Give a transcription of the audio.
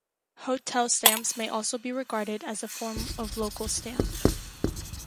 Hotel Stamps may also be regarded as a form of local stamp.